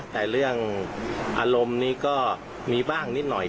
แต่เรื่องอารมณ์นี้ก็มีบ้างนิดหน่อย